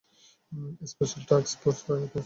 Special task force পথে আছে।